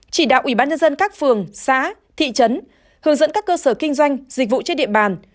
chỉ đạo ubnd các phường xã thị trấn hướng dẫn các cơ sở kinh doanh dịch vụ trên địa bàn